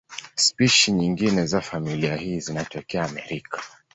Spishi nyingine za familia hii zinatokea Amerika.